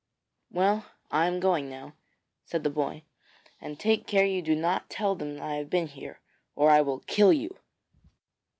'Well, I am going now,' said the boy, 'and take care that you do not tell them that I have been here, or I will kill you.'